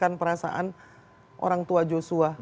dan memikirkan perasaan orang tua joshua